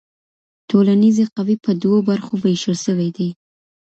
ټولنیزې قوې په دوو برخو ویشل سوي دي.